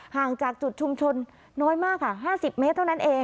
ห่างจากจุดชุมชนน้อยมากค่ะ๕๐เมตรเท่านั้นเอง